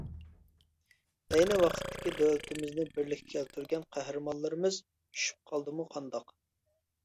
ئەينى ۋاقىتتىكى دۆلىتىمىزنى بىرلىككە كەلتۈرگەن قەھرىمانلىرىمىز چۈشۈپ قالدىمۇ قانداق.